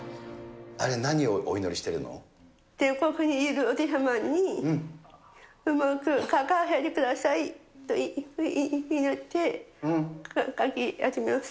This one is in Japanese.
あれ、天国にいるお父様に、うまく書かせてくださいと祈って、書き始めます。